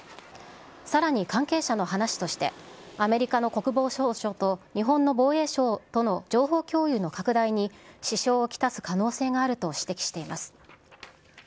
さらに関係者の話として、アメリカの国防総省と日本の防衛省との情報共有の拡大に支障を来す可能性があると指摘しています。